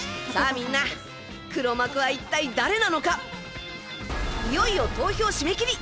みんな、黒幕は一体誰なのか、いよいよ投票締め切り。